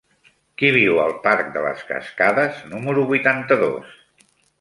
Qui viu al parc de les Cascades número vuitanta-dos?